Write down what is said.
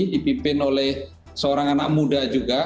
dipimpin oleh seorang anak muda juga